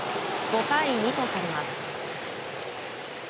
５対２とされます。